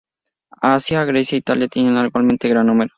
Asia, Grecia e Italia tenían igualmente gran número.